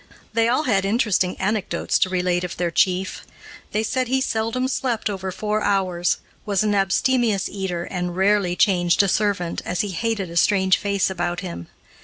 They all had interesting anecdotes to relate of their chief. They said he seldom slept over four hours, was an abstemious eater, and rarely changed a servant, as he hated a strange face about him.